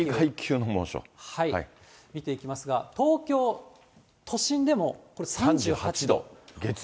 見ていきますが、東京都心でもこれ、３８度。